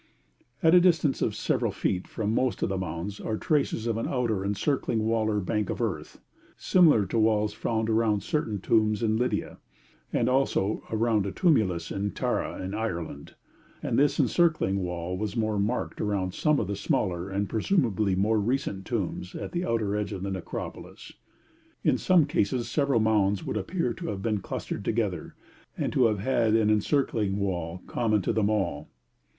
At a distance of several feet from most of the mounds are traces of an outer encircling wall or bank of earth, similar to walls found around certain tombs in Lydia, as also round a tumulus at Tara in Ireland, and this encircling wall was more marked around some of the smaller and presumably more recent tombs at the outer edge of the necropolis; in some cases several mounds would appear to have been clustered together, and to have had an encircling wall common to them all.